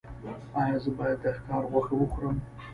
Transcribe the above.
ایا زه باید د ښکار غوښه وخورم؟